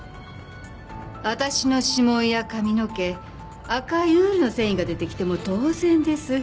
私の指紋や髪の毛赤いウールの繊維が出てきても当然です。